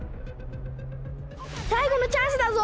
さい後のチャンスだぞ！